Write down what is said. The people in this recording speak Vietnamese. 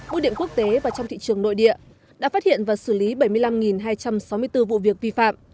bưu điện quốc tế và trong thị trường nội địa đã phát hiện và xử lý bảy mươi năm hai trăm sáu mươi bốn vụ việc vi phạm